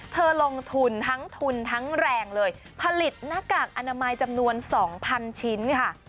เธอลงทุนทั้งทุนทั้งแรงเลยผลิตหน้ากากอนามัยจำนวน๒๐๐๐ชิ้นค่ะ